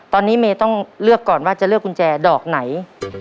ตอนนี้เมย์ต้องเลือกก่อนว่าจะเลือกกุญแจดอกไหน